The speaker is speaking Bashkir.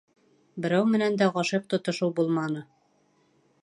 Берәү менән дә ғашиҡ тотошоу булманы!..